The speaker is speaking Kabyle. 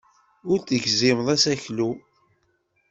Ur tegzimeḍ aseklu.